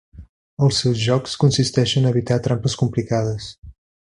Els seus jocs consisteixen a evitar trampes complicades.